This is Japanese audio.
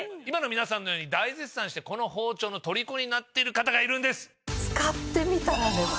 今の皆さんのように大絶賛してこの包丁のとりこになっている方がいるんです。